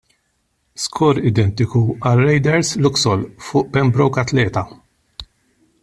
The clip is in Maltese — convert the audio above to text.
Skor identiku għal Raiders Luxol fuq Pembroke Athleta.